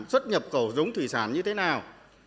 xuất nhập khẩu giống thủy sản như thế nào